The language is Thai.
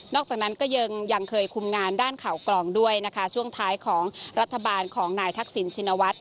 จากนั้นก็ยังเคยคุมงานด้านข่าวกรองด้วยนะคะช่วงท้ายของรัฐบาลของนายทักษิณชินวัฒน